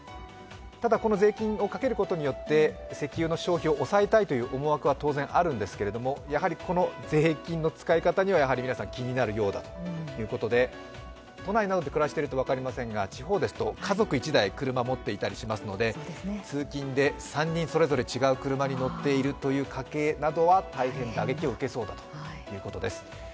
ただ、この税金をかけることによって石油の消費を減らしたいという思惑は当然あるんですけれども、やはりこの税金の使い方には皆さん気になるようだということで、都内などで暮らしていると分かりませんが地方ですと家族１台車を持っていたりしますので通勤で３人それぞれ違う車に乗っているという家庭は大変打撃を受けそうだということです。